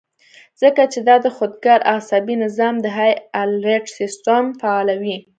ځکه چې دا د خودکار اعصابي نظام د هائي الرټ سسټم فعالوي